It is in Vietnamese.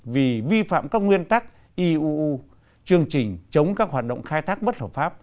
vì vi phạm các nguyên tắc iuu chương trình chống các hoạt động khai thác bất hợp pháp